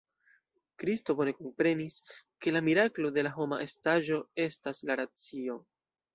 Kristo bone komprenis, ke la miraklo de homa estaĵo estas la racio.